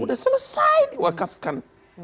sudah selesai diwakafkan